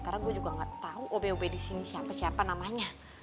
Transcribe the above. karena gue juga gak tau obe obe disini siapa siapa namanya